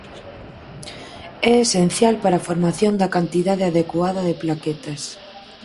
É esencial para a formación da cantidade adecuada de plaquetas.